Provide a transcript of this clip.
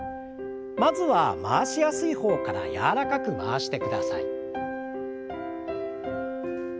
まずは回しやすい方から柔らかく回してください。